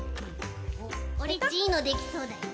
オレっちいいのできそうだよ。